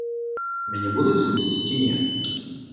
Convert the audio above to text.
Мяне будуць судзіць ці не?